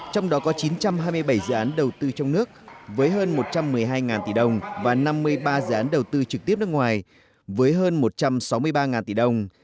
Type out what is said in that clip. trong đó có chín trăm hai mươi bảy dự án đầu tư trong nước với hơn một trăm một mươi hai tỷ đồng và năm mươi ba dự án đầu tư trực tiếp nước ngoài với hơn một trăm sáu mươi ba tỷ đồng